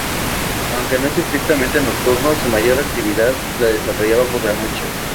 Aunque no es estrictamente nocturno su mayor actividad la desarrolla por la noche.